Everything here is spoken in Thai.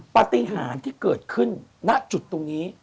ปฏิหารที่เกิดขึ้นณจุดตรงนี้